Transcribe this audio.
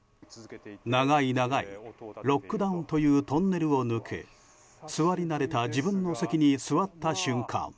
長い長い、ロックダウンというトンネルを抜け座り慣れた自分の席に座った瞬間